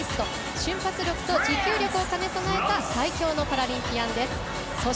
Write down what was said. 瞬発力と持久力を兼ね備えた最強のパラリンピアンです。